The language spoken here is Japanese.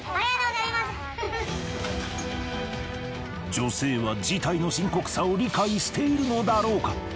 女性は事態の深刻さを理解しているのだろうか。